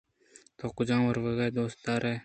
تو کُجام ورگ ءَ دوست دار ئے